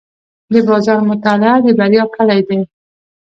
د بازار مطالعه د بریا کلي ده.